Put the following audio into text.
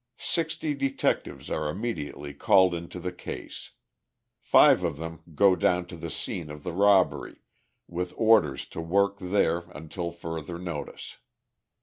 Sixty detectives are immediately called into the case. Five of them go down to the scene of the robbery, with orders to work there until further notice.